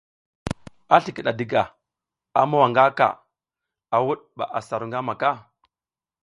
A slikid a diga, a mowa nga ka, a wud ba asa ru ngamaka.